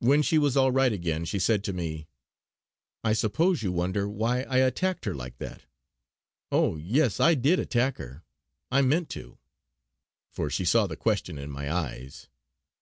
When she was all right again she said to me: "I suppose you wonder why I attacked her like that. Oh! yes, I did attack her; I meant to," for she saw the question in my eyes.